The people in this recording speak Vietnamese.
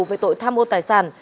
về tội tham mô tài sản